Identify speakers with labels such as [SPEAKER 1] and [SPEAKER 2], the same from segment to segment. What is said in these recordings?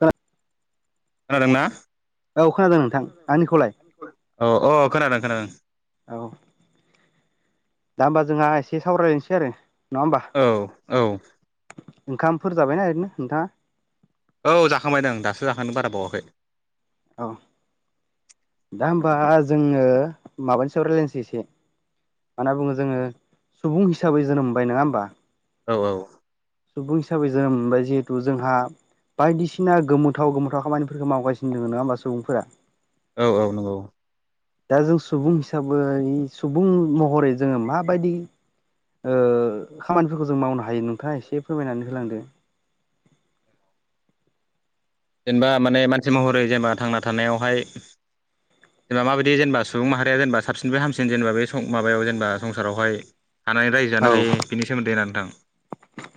[SPEAKER 1] गा
[SPEAKER 2] खोनादोंना?
[SPEAKER 1] खोनादों नोंथां आंनिखौलाय
[SPEAKER 2] औ अ खोनादों खोनादों। [inaudible]
[SPEAKER 1] औ दा होमबा जोंहा एसे सावरायनोसै आरो। नङा होमबा
[SPEAKER 2] औ औ।
[SPEAKER 1] ओंखामफोर जाबायना ओरैनो नोंथाङा?
[SPEAKER 2] औ जाखांबायदों आं दासो जाखांदों बारा बावाखै।
[SPEAKER 1] औ। दा होमबा जोङो माबानि सायाव रायजलायनोसै एसे। माना बुङो जोङो सुबुं हिसाबै जोनोम मोनबाय नङा होमबा?
[SPEAKER 2] औ औ।
[SPEAKER 1] सुबुं हिसाबै जोनोम मोनबाय जिहेथु जोंहा बायदिसिना गोमोथाव गोमोथाव खामानिफोरखो मावगासिनो दोङ नङा होमबा सुबुंफोरा।
[SPEAKER 2] औ औ नंगौ।
[SPEAKER 1] दा जों सुबुं हिसाबै सुबुं महरै जोङो माबायदि ओ खामानिफोरखौ जों मावनो हायो नोंथाङा एसे फोरमायनानै होलांदो
[SPEAKER 2] जेनेबा माने मानसि महरै जेनेबा थांना थानायावहाय जेनबा माबायदि जेनेबा सुबुं माहारिया जेनेबा साबसिननिफ्राय हामसिन जेनेबा बे माबायाव जेनेबा बे संसारावहाय थानानै रायजो
[SPEAKER 1] औ
[SPEAKER 2] जानो हायो बिनि सोमोन्दैना नोंथां?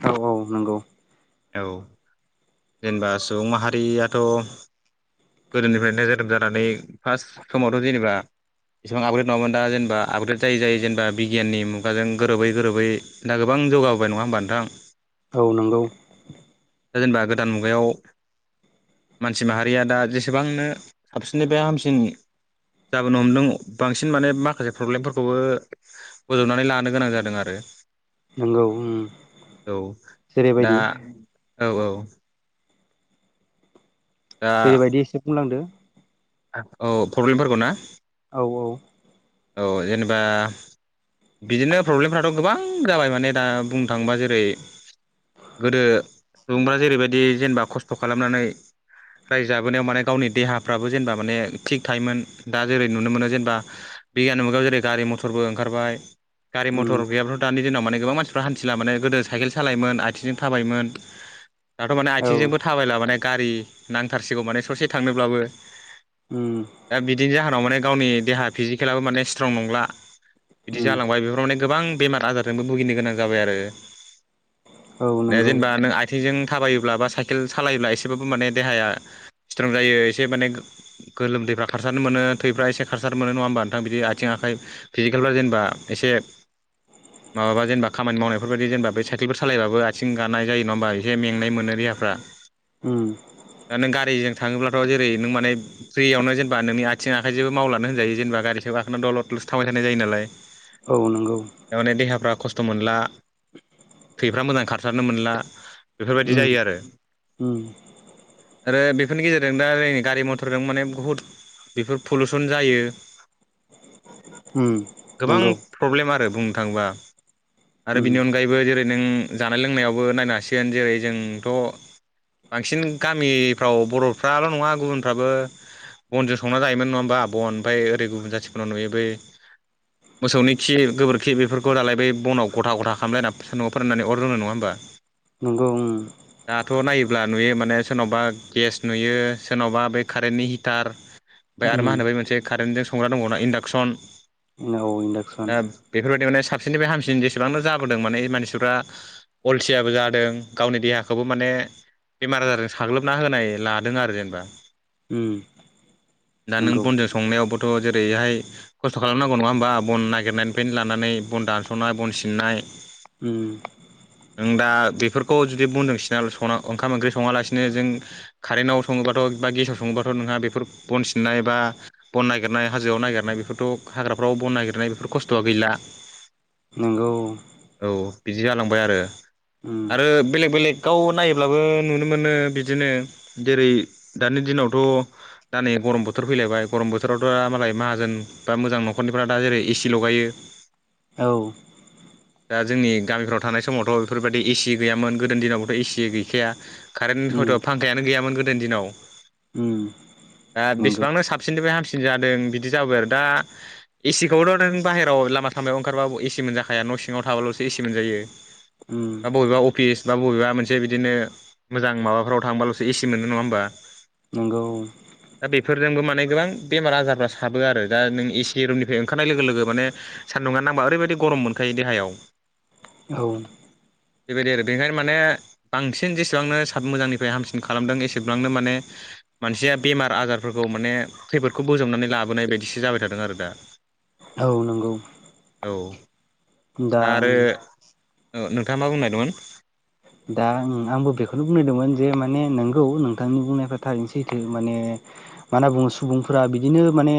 [SPEAKER 1] औ औ नंगौ
[SPEAKER 2] औ जेनेबा सुबुं माहारियाथ गोदोनिफ्राय जोनोम जानानै फार्स्ट समावथ जेनेबा बेसेबां आपग्रेड नंङामोन दा जेनेबा आपग्रेड जायै जायै जेनेबा बिगियाननि मुगाजों गोरोबै गोरोबै दा गोबां आं जौगाबोबाय नंङा होमबा नोंथां?
[SPEAKER 1] औ नोंगौ
[SPEAKER 2] दा जेनेबा गोदान मुगायाव मानसि माहारिया दा जेसेबांनो साबसिननिफ्राय हामसिन जाबोनो हमदों बांसिन माने माखासे प्रब्लेमफोरखौबो बजबनानै लानो गोनां जादों आरो
[SPEAKER 1] नंगौ उम
[SPEAKER 2] [inaudible] औ दा
[SPEAKER 1] जेरैबायदि
[SPEAKER 2] औ औ दा
[SPEAKER 1] जेरैबायदि एसे बुंलांदो
[SPEAKER 2] औ प्रब्लेमफोरखौ ना?
[SPEAKER 1] औ औ
[SPEAKER 2] औ जेनेबा बिदिनो प्रब्लेमफ्राथ गोबां जाबाय माने दा बुंनो थांङोबा जेरै गोदो सुबुंफ्रा जेरैबायदि जेनेबा खस्थ खालामनानै रायजाबोनायाव माने गावनि देहाफ्राबो जेनेबा माने थिग थायोमोन दा जेरै नुनो मोनो जेनेबा बिगियान मुगायाव जेरै गारि मथरबो ओंखारबाय गारि
[SPEAKER 1] उम
[SPEAKER 2] मथर गैयाब्लाथ दानि माव माने गोबां मानसिफ्रा हान्थिला माने गोदो साइकेल सालायोमोन आथिंजों थाबायोमोन। दाथ माने
[SPEAKER 1] औ
[SPEAKER 2] आथिंजोंबो थाबायला माने गारि नांथारसिगौ माने ससे थांनोब्लाबो
[SPEAKER 1] उम
[SPEAKER 2] दा बिदिनि जाहोनाव माने गावनि देहा फिजिकेलाबो माने स्ट्रं नंला। बिदि
[SPEAKER 1] उम
[SPEAKER 2] जालांबाय बेफोराव माने गोबां बेमार आजारजोंबो भुगिनो गोनां जाबाय आरो
[SPEAKER 1] औ
[SPEAKER 2] दा
[SPEAKER 1] नंगौ
[SPEAKER 2] जेनेबा नों आथिंजों थाबायोब्ला बा साइकेल सालायोब्ला एसेबाबो माने देहाया स्ट्रं जायो एसे माने गोलोमदै फ्रा खारसारनो मोनो थैफ्रा एसे खारसारनो मोन नङा होमबानो थां बिदि आथिं आखाइ फिजिकेलफ्रा जेनेबा एसे माबाबा जेनेबा खामानि मावनायफोरबायदि जेनेबा बे साइकेलफोर सालायबाबो आथिं गानाय जायो नङा होमबा एसे मेंनाय मोनो फ्रा
[SPEAKER 1] उम
[SPEAKER 2] दानों गारिजों थांओब्ला थ' जेरै नोंमाने फ्रियावनो जेनेबा नोंनि आथिं आखाइ जेबो मावनानै होन जेनेबा गारि गाखोना दलदलसो थाबाय थानाय जायो नालाय
[SPEAKER 1] औ नंगौ
[SPEAKER 2] थारमाने देहाफ्रा खस्थ स्थ' मोनला थैफ्रा मोजां खारसारनो मोनला बेफोरबायदि
[SPEAKER 1] उम
[SPEAKER 2] जायो आरो
[SPEAKER 1] उम
[SPEAKER 2] आरो बेफोरनि गेजेरजों दा जोंनि गारि मथरजों माने बुहुद बेफोर पुलुसन जायो।
[SPEAKER 1] उम
[SPEAKER 2] [inaudible] गोबां
[SPEAKER 1] नंगौ
[SPEAKER 2] प्रब्लेम आरो बुंनो थाङोबा आरो
[SPEAKER 1] उम
[SPEAKER 2] बेनि अनगायैबो जेरै नों जानाय लोंनायावबो नायनो हासिगोन जेरै जोंथ बांसिन गामिफ्राव बरफ्राल नङा गुबुनफ्राबो बनजों संना जायोमोन नङा होमबा बन ओमफ्राय ओरै गुबुन जाथिफोरनाव नुयो बै मोसौनि खि गोबोरखि बेफोरखौ दालाय बै बनाव गथा गथा खालामलायना नआव फोराननानै अर जनो नंङा होनोमबा
[SPEAKER 1] नंगौ उम
[SPEAKER 2] दाथ नायोब्ला नुयो मा ने सोरनावबा गेस नुयो सोरनावबा बै कारेन्टनि हिटार ओमफाय आरो मा होनो बे
[SPEAKER 1] उम
[SPEAKER 2] मोनसे कारेन्टजों संग्रा दंबावना इन्डाक्सन
[SPEAKER 1] औ इन्डाक्सन
[SPEAKER 2] ओ बेफोरबायदि माने साबसिननिफ्राय हामसिन जेसेबांनो जाबोदों माने मानसिफ्रा अलसियाबो जादों गावनि देहाखौबो माने बेमार आजारजों साग्लोबना होनाय लादों आरो जेनेबा
[SPEAKER 1] उम
[SPEAKER 2] दा नों
[SPEAKER 1] नंगौ
[SPEAKER 2] बनजों संनायावबोथ‌ जेरै ओरैहाय खस्थ खालामनांगौ नंङा होमबा बन नागिरनायनिफ्रायनो लानानै बन दानसनाय बन सिननाय
[SPEAKER 1] उम
[SPEAKER 2] [inaudible] नों दा बेफोर खौ जुदि बनजों सिना सना ओंखाम ओंख्रि सङालासिनो जों कारेनाव सङोबाथ' बा गेसाव सङोबाथ' नो ना बेफोर बन सिननाय बा बन नागिरनाय हाजोआव नागिरनाय बेफोरथ' हाग्राफ्राव बन नागिरनाय बेफोर खस्थ'आ गैला।
[SPEAKER 1] नंगौ
[SPEAKER 2] औ बिदि जालांबाय आरो
[SPEAKER 1] उम
[SPEAKER 2] आरो बेलेग बेलेग गाव नाय ब्लाबो नुनो मोनो बिदिनो जेरै दानि दिनावथ' दा नै गरम बोथोर फै लायबाय गरम बोथोरावथ' दा मालाय माहाजोन बा मोजां न'खरनिफ्रा दा जेरै एसि लगायो
[SPEAKER 1] औ
[SPEAKER 2] दा जोंनि गामिफ्राव थानाय समावथ' बेफोरबायदि एसि गैयामोन गोदोनि दिनावबोथ' एसि गैखाया कारेन्ट
[SPEAKER 1] उम
[SPEAKER 2] हयथ' फांखायानो गैयामोन गोदोनि दिनाव
[SPEAKER 1] उम
[SPEAKER 2] दा
[SPEAKER 1] नंगौ
[SPEAKER 2] बेसेबांनो साबसिननिफ्राय हामसि दों बिदि जाबाय आरो दा एसिखौथ' बाहेराव लामा सामायाव ओंखारबाबो एसि मोनजाखाया न' सिङाव थाबाल'सो एसि मोनजायो
[SPEAKER 1] उम
[SPEAKER 2] बा बबेबा अफिस बा बबेबा मोन से बिदिनो मोजां माबाफोराव थांबाल'सो एसि मोनो नङा होनबा?
[SPEAKER 1] नंगौ
[SPEAKER 2] दा बेफोरजोंबो माने गोबां बेमार आजार फ्रा साबो आरो दा नों एसे रुमनिफ्राय ओंखारनाय लोगो लोगो माने सान्दुंङा नांबा ओरैबायदि गरम मोनखायो देहायाव
[SPEAKER 1] औ
[SPEAKER 2] बेबायदि आरो बेखायनो माने बांसिन जेसेबांनो साब मोजांनिफ्राय हामसिन खालामदों एसेबांनो माने मानसिया बेमार आजारफोरखौ माने खैफोदखौ बोजबनानै लाबोनाय बायदिसो जाबाय थादों आरो दा
[SPEAKER 1] औ नंगौ
[SPEAKER 2] औ
[SPEAKER 1] दा
[SPEAKER 2] औ नोंथाङा मा बुंनो नागिरदोंमोन?
[SPEAKER 1] दा आंबो बेखौनो बुंनोदोंमोन जे माने नोंगौ नोंथांनि बुंनायफ्रा थारैनोसैथो माने मा होनना बुङो सुबुंफोरा बिदिनो माने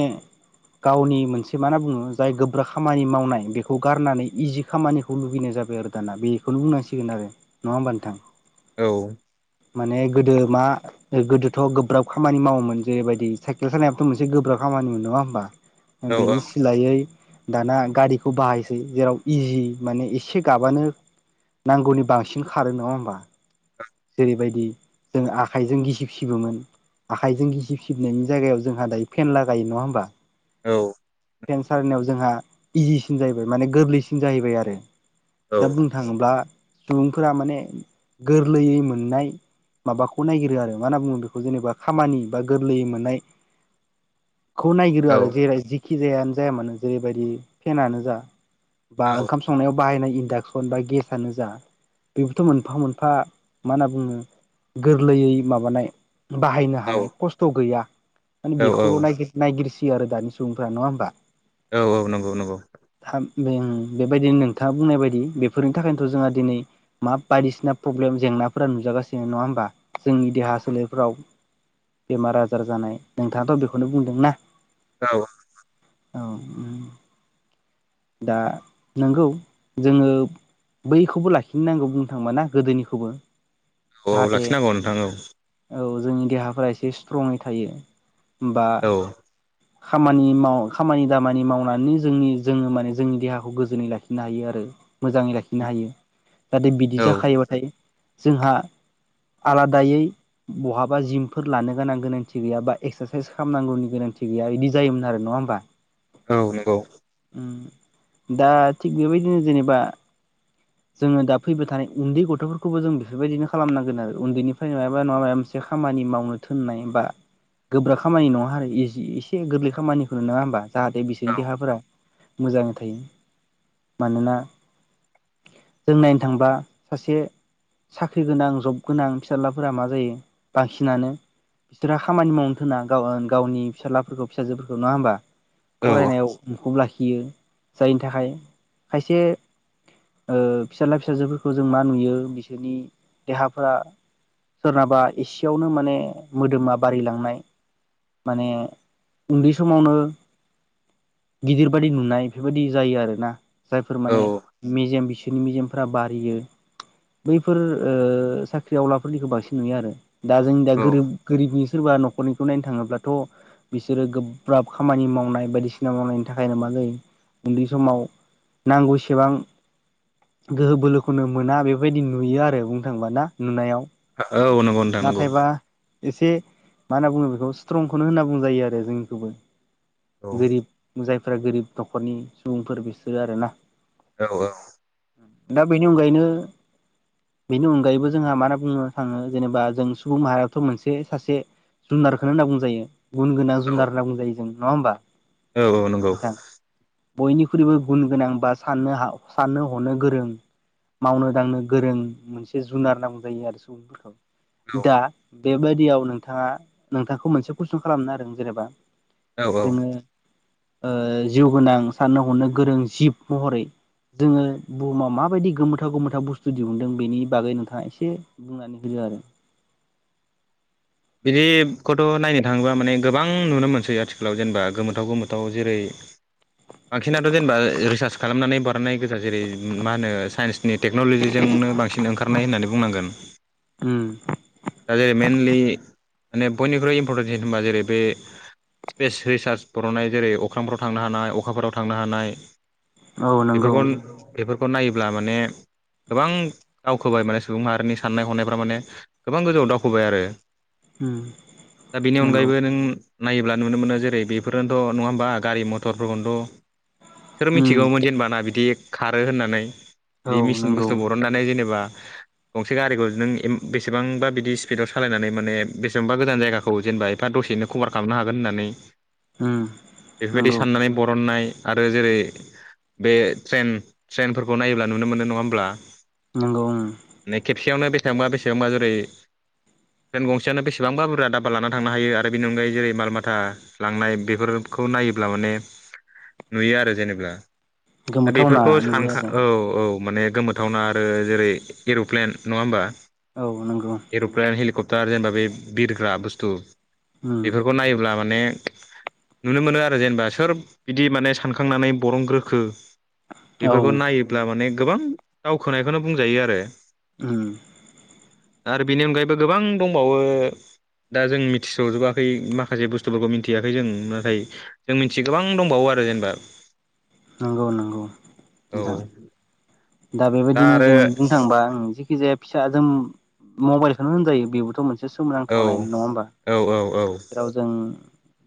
[SPEAKER 1] गावनि मोनसे मा होनना बुङो जाय गोब्रा खामानि मावनाय बेखौ गारनानै इजि खामानिखौ लुबैनो जाबाय आरो दाना बेखौनो बुंनांसिगोन आरो नङा होमबा नोंथां?
[SPEAKER 2] औ
[SPEAKER 1] माने गोदो मा गोदोथ' गोब्राब खामानि मावोमोन जेबायदि साइकेल सालायनायाबोथ' मोनसे गोब्राब खा खामानिमोन नङा होमबा
[SPEAKER 2] औ
[SPEAKER 1] बेनि सिलायै दाना गारिखौ बाहायसै जेराव इजि माने एसे गाबानो नांगौनि बांसि ओंखारो नङा होमबा जेरैबायदि जों आखाइजों गिसिब सिबोमोन आखाइजों गिसिब सिबनायनि जायगायाव जोंहा दायो फेन लागायो नङा होमबा? टेनसारनाव जोंहा इजिसिन जाहैबाय माने गोरलैसिन जाहैबाय आरो
[SPEAKER 2] औ
[SPEAKER 1] दा बुंनो थाङोब्ला सुबुंफोरा माने गोरलैयै मोननाय माबाखौ नायागिरो आरो मा होनना बुङो बेखौ जेनेबा खामानि बा गोरलैयै मोननाय
[SPEAKER 2] [inaudible]
[SPEAKER 1] खौ नायगिरो आरो जेरै जिखि जायानो जाया मानो जेरैबायदि फेनानो जा बा ओंखाम संनायाव बाहायनाय इन्डाक्सन बा गेसआनो जा बेबोथ' मोनफा मोनफा मा होनना बुङो गोरलैयै माबानाय बाहायनो हानाय खस्थ' गैया। माने
[SPEAKER 2] औ
[SPEAKER 1] बेखौल' नायगिर नायगिरसियो आरो दानि सुबुंफ्रा नङा होमबा?
[SPEAKER 2] औ औ नंगौ नंगौ।
[SPEAKER 1] बे उम बेबायदि नोंथाङा बुंनाय बायदि बेफोरनि थाखायनोथ' जोंहा दिनै मा बायदिसिना प्रब्लेम जेंनाफोरा नुजागासिनो नङा होमबा जोंनि देहा सोलेरफ्रोव बेमार आजार जानाय नोंथाङाथ' बेखौनो बुंदोंना?
[SPEAKER 2] औ
[SPEAKER 1] औ उम दा नंगौ जोङो बैखौबो लाखिनोनांगौ बुंनो थांबा ना गोदोनिखौबो
[SPEAKER 2] औ
[SPEAKER 1] जाहाथे
[SPEAKER 2] लाखिनांगौ नोंथां औ
[SPEAKER 1] औ जोंनि देहा फोरासे एसस्ट्रङै थायो बा
[SPEAKER 2] औ
[SPEAKER 1] खामानि माव खामानि दामानि मावनानै जोंनि जोङो माने जोंनि देहाखौ गोजोनै लाखिनो हायो आरो मोजाङै लाखिनो हायो जाहाथे बिदि
[SPEAKER 2] औ
[SPEAKER 1] जाखायोबाथाय जोंहा आलादायै बहाबा जिमफोर लानो गोनां गोनांथि गैया बा एक्सारसाइस खालामनांगौनि गोनां थि गैया बिदि जायोमोन आरो नङा होमबा?
[SPEAKER 2] औ नंगौ
[SPEAKER 1] उम दा थिग बेबायदिनो जेनेबा जोङो दा फैबाय थानाय उन्दै गथ'फोरखौबो जों बेफोरबायदिनो खालामनांगोन आरो उन्दैनिफ्राय माबा नङाबा माबा मोनसे खामानि मावनो थोननाय बा गोब्राब खामानि नङा आरो इजि एसे गोरलै खामानिखौनो नङा होमबा जाहाथे
[SPEAKER 2] औ
[SPEAKER 1] बिसोरनि देहाफोरा मोजाङै थायो मानोना जों नायनो थांबा सासे साख्रि गोनां जब गोनां फिसालाफोरा मा जायो बांसिनानो बिसोरहा खामानि मावनो थोना गाव गावनि फिसालाफोरखौ फिसाजोफोरखौ नङा होमबा
[SPEAKER 2] औ
[SPEAKER 1] फरायनायाव मुखुब लाखियो जायनि थाखाय खायसे ओ फिसाला फिसाजोफोरखौ जों मा नुयो बिसोरनि देहाफोरा सोरनाबा एसेयावनो माने मोदोमा बारिलांनाय माने उन्दै समावनो गिदिर बादि नुनाय बेफोरबायदि जायो आरोना जायफोर
[SPEAKER 2] औ
[SPEAKER 1] माने मेजेम बिस मेजेमफोरा बारियो बैफोर ओ साख्रिआवलाफोरनिखौ बांसिन नुयो आरो दा जोंनि दा
[SPEAKER 2] औ
[SPEAKER 1] गोरिब गोरिबनि सोरबा न'खरनिखौ नायनो थाङोब्लाथ' बिसोरो गोब्राब खामानि मावनाय बायदिसिना मावनायनि थाखायनो मा नो उन्दै समाव नांगौ एसेबां गोहो बोलोखौनो मोना बेबायदि नुयो आरो बुंनो थाङोबा ना नुनायाव
[SPEAKER 2] औ नंगौ नोंथां नंगौ
[SPEAKER 1] नाथायबा एसे मा होनना बुङो बेखौ स्ट्रिंखौनो होनना बुंजायो आरो जोंनिखौबो
[SPEAKER 2] औ
[SPEAKER 1] गोरिब जायफोरा गोरिब न'खरनि सुबुंफोर बिसोरो आरोना
[SPEAKER 2] औ औ
[SPEAKER 1] दा बेनि अनगायैनो बेनि अनगायैबो जोंहा मा होनना बुनो थाङो जेनेबा जों सुबुं माहारियाथ' मोनसे सासे जुनारखौनो होनना बुंजायो गुन गोनां जुनार होनना बुंजायो जों नङा होमबा
[SPEAKER 2] औ औ नंगौ
[SPEAKER 1] नोंथां बयनिख्रुइबो गुन गोनां बा साननो हाव साननो हनो गोरों मावनो दांनो गोरों मोनसे जुनार होन्ना बुंजायो आरो
[SPEAKER 2] औ
[SPEAKER 1] सुबुंफोरखौ दा बेबायदियाव नोंथाङा नोंथांखौ मोनसे कुइसन खालामनो नागिरदों जेनेबा
[SPEAKER 2] औ औ
[SPEAKER 1] जोङो ओ जिउ गोनां साननो हनो गोरों जिब महरै जोङो बुहुमाव माबायदि गोमोथाव गोमोथाव बुस्थु दिहुनदों बेनि बागै नोंथाङा एसे बुंनानै होदो आरो
[SPEAKER 2] बिदिब खौथ' नायनो थाङोबा माने गोबां नुनो मोनसै आथिखालाव जेनेबा गोमोथाव गोमोथाव जेरै [inaudible] बांसिनाथ' जेनेबा रिसार्च खालामनानै बरननाय गोजा जेरै मा होनो साइन्सनि टेक्न'ल'जिजोंनो बां सिन ओंखारनाय होननानै बुंनांगोन
[SPEAKER 1] उम
[SPEAKER 2] दा जेरै मनलि माने बयनिख्रुइ इम्परटेनसिन होनबा जेरै बे स्पेस रिसार्च बरनाय जेरै अख्रांफोराव थांनो हानाय अखाफोराव थांनो हानाय
[SPEAKER 1] औ नंगौ
[SPEAKER 2] बेफोरखौ बेफोरखौ नायोब्ला माने गोबां दावखोबाय माने सुबुं माहारिनि साननाय हनायफोरा माने गोबां गोजौआव दावखोबाय आरो
[SPEAKER 1] उम
[SPEAKER 2] दा बेनि
[SPEAKER 1] नंगौ
[SPEAKER 2] अनगायैबो नों नायोब्ला नुनो मोनो जेरै बेफोरनोथ' नङा होमबा गारि मथरफोरखौनोथ' सोर
[SPEAKER 1] उम
[SPEAKER 2] मिथिगौमोन जेनबा ना बिदि खारो होननानै।
[SPEAKER 1] औ
[SPEAKER 2] बिदि मेसिन
[SPEAKER 1] नंगौ
[SPEAKER 2] बुस्थु बरननानै जेनेबा गंसे गारिखौ नों बेसेबांबा बिदि स्पिडआव सालायनानै माने बेसेबांबा गोजान जायगाखौ जेनेबा एफा दसेनो कभार खालामनो हागोन होननानै।
[SPEAKER 1] उम
[SPEAKER 2] बेफोरबायदि
[SPEAKER 1] नंगौ
[SPEAKER 2] साननानै बरननाय आरो जेरै बे ट्रेन ट्रेनफोरखौ नायोब्ला नुनो मोनो नङा होमब्ला?
[SPEAKER 1] नंगौ उम
[SPEAKER 2] नै खेबसेयावनो बेसेबांबा बेसेबांबा जेरै ट्रेन गं सेयावनो बेसेबांबा बुरजा धाबा लाना थांनो हायो आरो बेनि अनगायै जेरै माल माथा लांनाय बेफोरखौ नायोब्ला मान ने नुयो आरो जेनेबा दा
[SPEAKER 1] गोमोथावना
[SPEAKER 2] बेफोरखौ
[SPEAKER 1] नुयो
[SPEAKER 2] सानखा
[SPEAKER 1] आरो
[SPEAKER 2] औ औ। माने गोमोथावना आरो जेरै एर'प्लेन नङा होमबा।
[SPEAKER 1] औ नंगौ।
[SPEAKER 2] दा जेनेबा बे बिरग्रा बुस्थु
[SPEAKER 1] उम
[SPEAKER 2] बेफोरखौ नायोब्ला माने नुनो मोनो आरो जेनेबा सोर बिदि माने सानखांनानै बरनग्रोखो।
[SPEAKER 1] औ
[SPEAKER 2] बेफोरखौ नायोब्ला माने गोबां दावखोनायखौनो बुंजायो आरो।
[SPEAKER 1] उम।
[SPEAKER 2] दा आरो बेनि अनगायैबो गोबां दंबावो। दा जों मिथिस'जोबाखै माखासे बुस्थुफोरखौ मिथियाखै जों नाथाय जों मिथियो गोबां दंबावो आ रो जेनेबा
[SPEAKER 1] नंगौ नंगौ
[SPEAKER 2] औ
[SPEAKER 1] नोंथां। दा बेबायदिनो जों बुंनो थांङोबा जिखि जाया फिसाजों मबाइलखौनो होनजायो बेबोथ' मोनसे एसे
[SPEAKER 2] औ
[SPEAKER 1] सोमोनांथावनायानो नङा होमबा
[SPEAKER 2] औ औ औ
[SPEAKER 1] जेराव जों।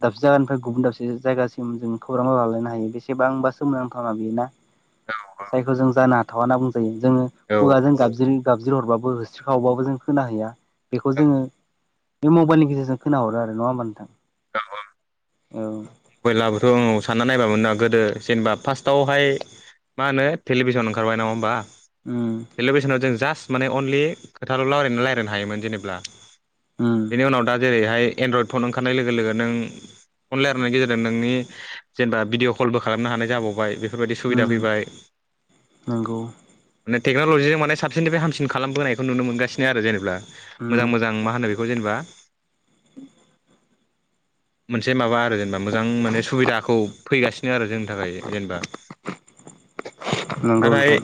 [SPEAKER 1] दाबसे जायगानिफ्राय गुबुन दाबसे जायगासिम जों खौरां लालायनो हायो बेसेबांबा सोमोनांथाना बेयो ना? जायखौ जों जानो हाथावा होनना बुंजायो जोङो
[SPEAKER 2] औ
[SPEAKER 1] खुगाजों गाबज्रि गाबज्रि हरबाबो होस्रिखावबाबो जों खोनाहैया बेखौ जोङो बे मबाइलनि गेजेरजों खोनाहरो आरो नङा होमबा नोंथां? औ
[SPEAKER 2] मयलाबोथ आं सा नना नायबा मोन ना गोदो जेनेबा फार्स्टआवहाय मा होनो टेलिभिसन ओंखारबाय नङा होमबा?
[SPEAKER 1] उम
[SPEAKER 2] टेलिभिसनाव जों जास्ट माने अनलि खोथाल' रावलरायनानै रायज्लायनो हायोमोन जेनेब्ला।
[SPEAKER 1] उम
[SPEAKER 2] बेनि उनाव दा जेरैहाय एनड्रयड फन ओंखारनाय लोगो लोगो नों फन ला गेजेरजों नोंनि जेनेबा भिडिअ कलबो खालामनो हानाय जाबावबाय बे बेफोरबायदि
[SPEAKER 1] उम
[SPEAKER 2] सुबिदा फैबाय
[SPEAKER 1] नंगौ
[SPEAKER 2] माने टेक्न'लजिजों माने साबसिनिफ्राय हामसिन खालामबोनायखौ नुनो मोनगासिनो आरो जेनेब्ला
[SPEAKER 1] उम
[SPEAKER 2] मोजां मोजां मा होनो बे खौ जेनेबा मोनसे माबा आरो बा मोजां माने सुबिदाखौ फैगासिनो आरो जों थाखाय जेनेबा
[SPEAKER 1] नंगौ
[SPEAKER 2] नाथाय
[SPEAKER 1] नोंथां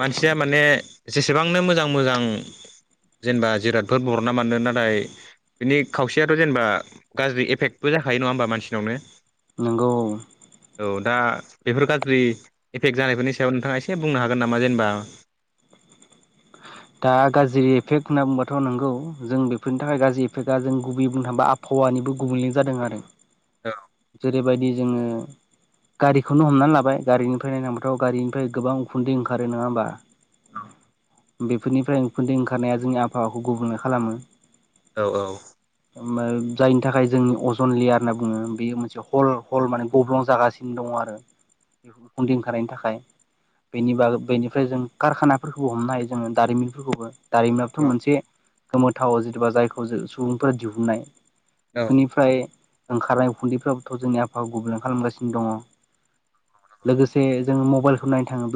[SPEAKER 2] मानसिया माने जेसेबांनो मोजां मोजां - जेनेबा जिरादफोर बरना मोनो नाथाय बिनि खावसेयाथ' जेनेबा गाज्रि एफेक्टबो जायो। खायो नङा होमबा मानसिनावनो?
[SPEAKER 1] नंगौ औ।
[SPEAKER 2] औ दा बेफोर गाज्रि एफेक्ट जानायफोरनि सायाव नोंथाङा एसे बुंनो हागोन नामा जेनेबा [inaudible]
[SPEAKER 1] दा गाज्रि एफेक्ट होनना बुंबाथ' नोंगौ जों बेफोरनि थाखाय गाज्रि एफेक्टआ जों गुबै बुंनो थाङोबा आबहावानि निबो गुबुंले जादों आरो। जेरैबायदि जोङो। गारिखौनो हमनानै लाबाय गारिनिफ्राय नायना थांबाथ' गारिनिफ्राय गोबां उखुन्दै ओंखारो नङा होमबा?
[SPEAKER 2] औ।
[SPEAKER 1] बेफोरनिफ्राय उखुन्दै ओंखारनाया जोंनि आबहावाखौ गुबुंले खालामो।
[SPEAKER 2] औ औ
[SPEAKER 1] जायनि थाखाय जोंनि अजन लेयार होनना बुङो बे मोनसे हल हल माने गब्लं जागासिनो दङ आरो बे उखुनदि ओंखारनायनि थाखाय बेनि बाग बेनिफ्राय जों कारखानाफोरखौबो हमनो हायो जोङो दारिमिनफोरखौबो दारिमिनाबोथ'
[SPEAKER 2] औ
[SPEAKER 1] मोनसे गोमोथाव जेथ'बा जायखौ जा सुबुंफोरा दिहुननाय
[SPEAKER 2] औ
[SPEAKER 1] बेफोरनिफ्राय ओंखारनाय उखुन्दैफ्राबोथ' जोंनि आफावाखौ गुबुंले खालामगासिनो दङ। लोगोसे जों मबाइलखौ नायनो थाङोब्ला